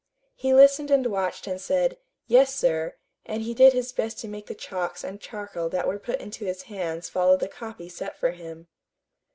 He listened and watched and said "yes, sir," and he did his best to make the chalks and charcoal that were put into his hands follow the copy set for him.